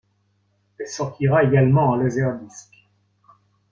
Elle sortira également en laserdisc.